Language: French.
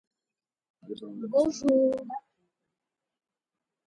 Pour rendre la pâte plus blanche, du lait peut remplacer l'eau.